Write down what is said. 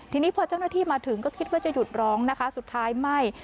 ทีนี้พอเจ้าหน้าที่มาถึงก็คิดว่าจะหยุดร้องนะคะสุดท้ายไหม้